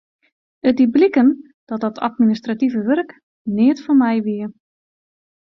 It die bliken dat dat administrative wurk neat foar my wie.